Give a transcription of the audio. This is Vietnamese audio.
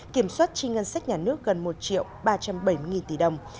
kiểm soát chi ngân sách nhà nước gần một ba trăm bảy mươi tỷ đồng